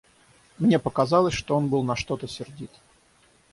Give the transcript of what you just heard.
Мне показалось, что он был на что-то сердит.